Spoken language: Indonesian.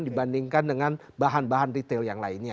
dibandingkan dengan bahan bahan retail yang lainnya